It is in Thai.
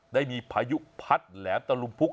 ได้มีพายุพัดแหลมตะลุมพุก